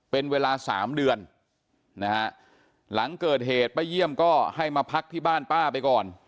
เป็นเวลาสามเดือนนะฮะหลังเกิดเหตุป้าเยี่ยมก็ให้มาพักที่บ้านป้าไปก่อน